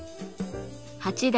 八代